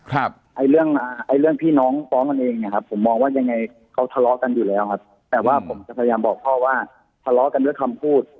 ไอ้เรื่องไอ้เรื่องพี่น้องฟ้องกันเองเนี่ยครับผมมองว่ายังไงเขาทะเลาะกันอยู่แล้วครับแต่ว่าผมจะพยายามบอกพ่อว่าทะเลาะกันด้วยคำพูด